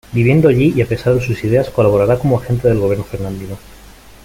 Viviendo allí, y a pesar de sus ideas, colaborará como agente del gobierno fernandino.